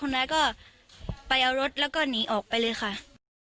ร้ายก็ไปเอารถแล้วก็หนีออกไปเลยค่ะ